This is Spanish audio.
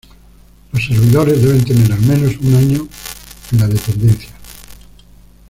Los servidores deben tener al menos un año en la Dependencia.